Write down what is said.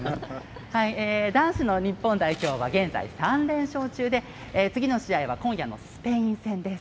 男子の日本代表は３連勝中で次の試合は今夜のスペイン戦です。